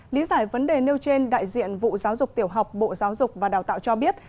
lý giải vấn đề nêu trên đại diện vụ giáo dục tiểu học bộ giáo dục và đào tạo cho biết